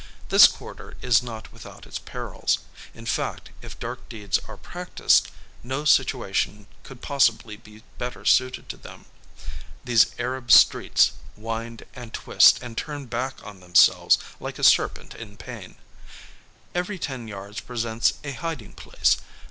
This quarter is not without its perils. In fact, if dark deeds are practised, no situation could possibly be better suited to them. These Arab streets wind, and twist, and turn back on themselves like a serpent in pain. Every ten yards presents a hiding place.